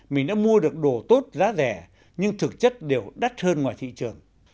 mình đã mua được đồ tốt giá rẻ nhưng thực chất đều đắt hơn ngoài thị trường